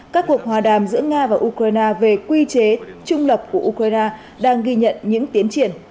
các cuộc hòa đàm giữa nga và ukraine về quy chế trung lập của ukraine đang ghi nhận những tiến triển